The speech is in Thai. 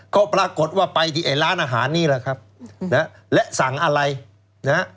ก็ปรากฏว่าไปที่ไอ้ร้านอาหารนี่แหละครับนะฮะและสั่งอะไรนะฮะ